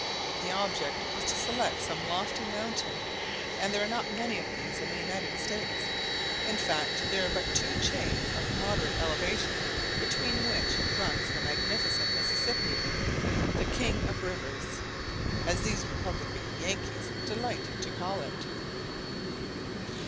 The object was to select some lofty mountain, and there are not many of these in the United States. In fact there are but two chains of moderate elevation, between which runs the magnificent Mississippi, the "king of rivers" as these Republican Yankees delight to call it.